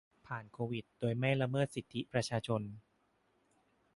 ผ่านโควิด โดยไม่ละเมิดสิทธิประชาชน